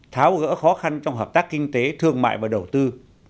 tháo gỡ khó khăn trong hợp tác kinh tế thương mại và đầu tư